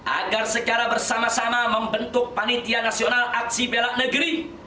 agar secara bersama sama membentuk panitia nasional aksi bela negeri